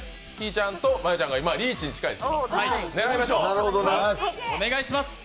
ちゃんと真悠ちゃんが今リーチに近いと。